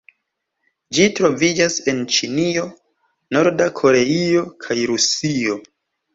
Ĝi troviĝas en Ĉinio, Norda Koreio kaj Rusio.